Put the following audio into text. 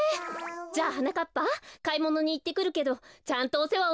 じゃあはなかっぱかいものにいってくるけどちゃんとおせわをするのよ。